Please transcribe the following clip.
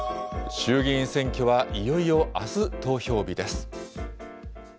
衆議院選挙は、いよいよあす投票日です。